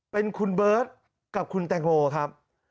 เป็นคุณเบิร์ตกับคุณแตงโมครับ